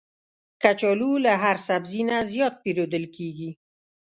کچالو له هر سبزي نه زیات پېرودل کېږي